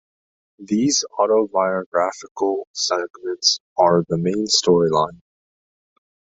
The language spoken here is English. These auto-biographical segments are the main storyline.